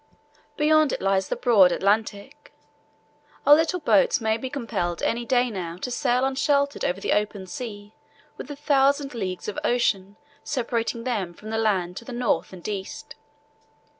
Beyond it lies the broad Atlantic. Our little boats may be compelled any day now to sail unsheltered over the open sea with a thousand leagues of ocean separating them from the land to the north and east.